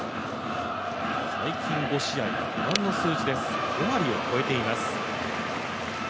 最近５試合ご覧の数字です５割を超えています。